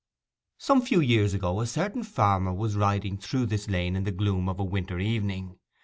Some few years ago a certain farmer was riding through this lane in the gloom of a winter evening.